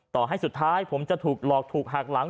ต่อให้สุดท้ายผมจะถูกหลอกถูกหักหลัง